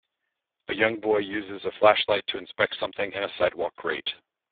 A young boy uses a flashlight to inspect something in a sidewalk grate.